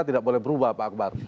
tidak boleh berubah pak akbar